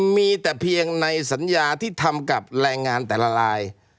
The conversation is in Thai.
มีแต่เพียงในสัญญาที่ทำกับแรงงานแต่ละลาย